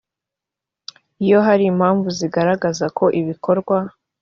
iyo hari impamvu zigaragaza ko ibikorwa